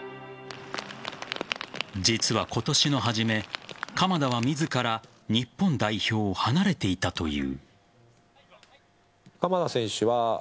実は今年の初め、鎌田は自ら日本代表を離れていたという。